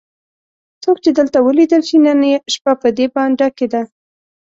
څوک چې دلته ولیدل شي نن یې شپه په دې بانډه کې ده.